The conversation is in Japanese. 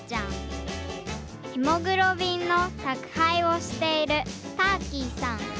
ヘモグロ便のたくはいをしているターキーさん。